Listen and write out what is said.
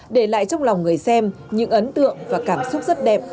để lại trong lòng người xem những ấn tượng và cảm xúc rất đẹp